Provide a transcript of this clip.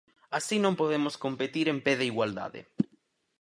Así non podemos competir en pé de igualdade.